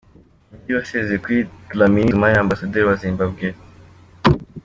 Undi wasezeye kuri Dlamini Zuma ni Ambasaderi wa Zimbabwe Dr.